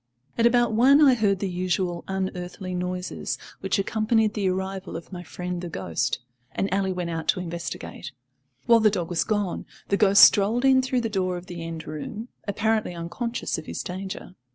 At about one I heard the usual unearthly noises which accompanied the arrival of my friend the ghost, and Ally went out to investigate. While the dog was gone, the ghost strolled in through the door of the end room, apparently unconscious of his danger.